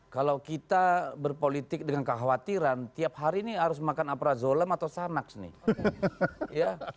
kalau kita berpolitik dengan kekhawatiran tiap hari ini harus makan aprazolem atau sanaks nih